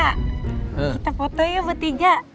kita foto yuk bu tiga